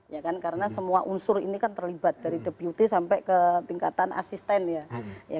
ya kan karena semua unsur ini kan terlibat dari deputi sampai ke tingkatan asisten ya